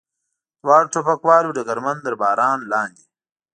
دواړو ټوپکوالو ډګرمن تر باران لاندې.